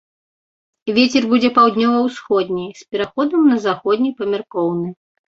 Вецер будзе паўднёва-ўсходні з пераходам на заходні памяркоўны.